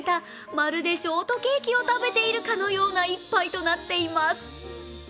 まるでショートケーキを食べているかのような１杯となっています。